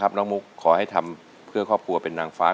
หัวเพลงเลยตั้งแต่เริ่มเนื้อเลยเอาครับท่อนี้เลยครับ